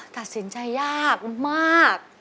ตัดสินใจยากมาก